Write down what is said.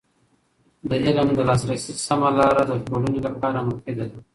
د علم د لاسرسي سمه لاره د ټولنې لپاره مفید ده.